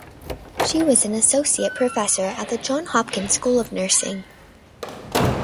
She was an associate professor at the Johns Hopkins School of Nursing.